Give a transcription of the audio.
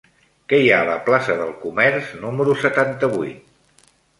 Què hi ha a la plaça del Comerç número setanta-vuit?